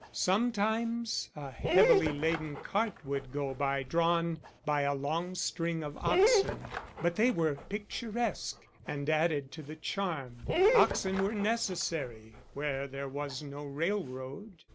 Sometimes a heavily laden cart would go by drawn by a long string of oxen; but they were picturesque and added to the charm. Oxen were necessary where there was no railroad.